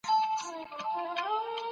سیاستپوهنه یو سپېڅلی مسلک دی.